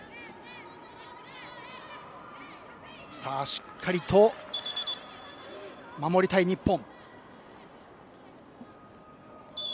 しっかりと守りたい日本。